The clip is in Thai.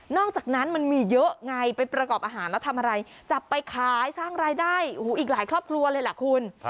อกจากนั้นมันมีเยอะไงไปประกอบอาหารแล้วทำอะไรจับไปขายสร้างรายได้อีกหลายครอบครัวเลยล่ะคุณ